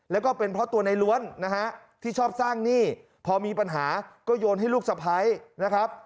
แล้วก็เป็นเพราะตัวในล้วนนะฮะที่ชอบสร้างหนี้พอมีปัญหาก็โยนให้ลูกสะพ้ายนะครับ